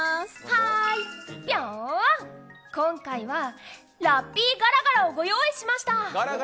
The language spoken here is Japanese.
はーい、ぴょーん、今回はラッピーガラガラをご用意しました。